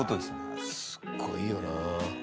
すごいよな。